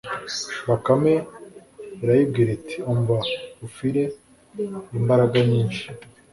bakame irayibwira iti umva ufire imbaraga nyinshi